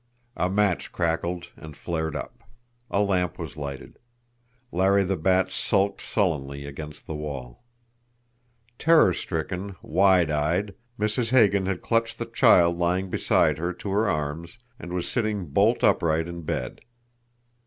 A match crackled and flared up. A lamp was lighted. Larry the Bat sulked sullenly against the wall. Terror stricken, wide eyed, Mrs. Hagan had clutched the child lying beside her to her arms, and was sitting bolt upright in bed.